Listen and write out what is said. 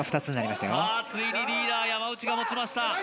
ついにリーダー・山内が持ちました